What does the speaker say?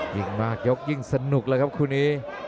ยิ่งมากยกยิ่งสนุกเลยครับคู่นี้